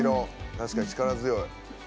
確かに力強い。